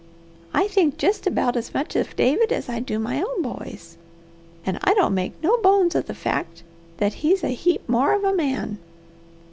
I think jest about as much of David as I do my own boys, and I don't make no bones of the fact that he's a heap more of a man.